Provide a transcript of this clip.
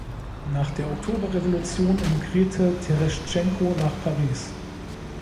Nach der Oktoberrevolution emigrierte Tereschtschenko nach Paris.